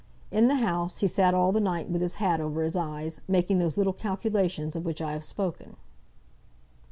In the House he sat all the night with his hat over his eyes, making those little calculations of which I have spoken.